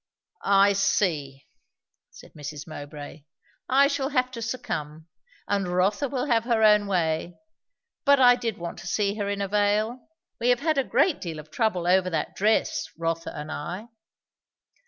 "I see!" said Mrs. Mowbray. "I shall have to succumb; and Rotha will have her own way. But I did want to see her in a veil. We have had a great deal of trouble over that dress, Rotha and I!"